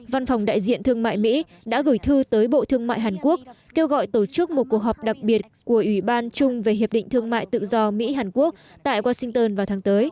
văn phòng đại diện thương mại mỹ đã gửi thư tới bộ thương mại hàn quốc kêu gọi tổ chức một cuộc họp đặc biệt của ủy ban chung về hiệp định thương mại tự do fta